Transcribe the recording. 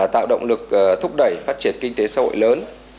tạo động lực thúc đẩy phát triển kinh tế xã hội lớn